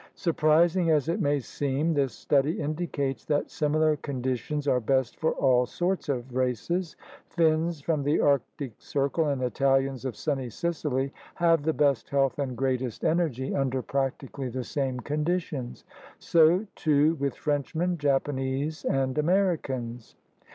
Surprising as it may seem, this study indicates that similar conditions are best for all sorts of races. Finns from the Arctic Circle and Italians of sunny Sicily have the best health and greatest energy under practically the same conditions; so too with Frenchmen, Japanese, and Americans.